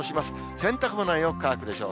洗濯物はよく乾くでしょう。